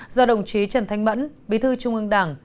do đồng chí trần thanh mẫn bí thư trung ương đảng